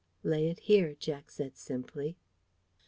"Lay it here," Jack said simply.